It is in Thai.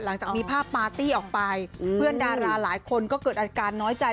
หลังจากมีภาพปาร์ตี้ออกไปเพื่อนดาราหลายคนก็เกิดอาการน้อยใจ